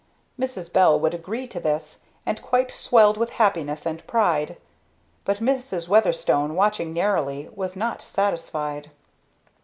Mrs. Bell would agree to this, and quite swelled with happiness and pride; but Mrs. Weatherstone, watching narrowly, was not satisfied.